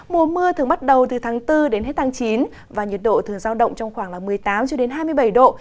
mùa mưa thường bắt đầu từ tháng bốn đến hết tháng chín và nhiệt độ thường giao động trong khoảng một mươi tám hai mươi bảy độ